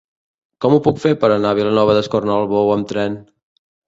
Com ho puc fer per anar a Vilanova d'Escornalbou amb tren?